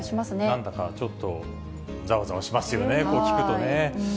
なんだかちょっと、ざわざわしますよね、こう聞くとね。